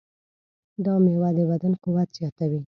دا مېوه د بدن قوت زیاتوي.